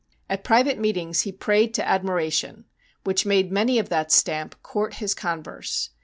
At private meetings he prayed to admiration, which made many of that stamp court his converse.